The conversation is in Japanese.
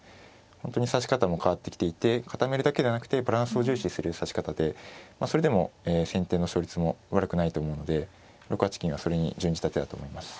本当に指し方も変わってきていて固めるだけじゃなくてバランスを重視する指し方でまあそれでも先手の勝率も悪くないと思うので６八金はそれに準じた手だと思います。